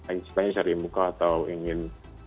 istilahnya cari muka atau ingin